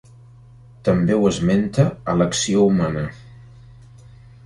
També ho esmenta a "L'acció humana".